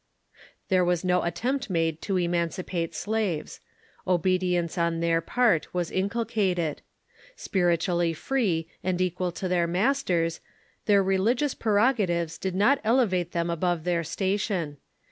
There was no attempt made to emancipate slaves. Obe dience on their part was inculcated. Spiritually free and equal to their masters, their religious prerogatives did The Slave ^,,, i .1 • j^. t ^ /j i not elevate them above their station.